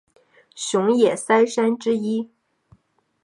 熊野三山之一。